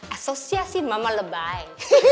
asosiasi mama lebay